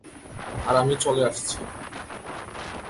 আর আমি চলে আসছি।